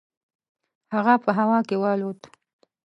هغه په هوا کې والوت.